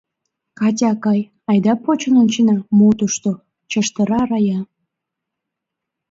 Катя акай, айда почын ончена, мо тушто? — чыштыра Рая.